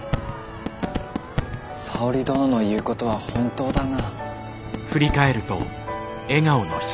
沙織殿の言うことは本当だな。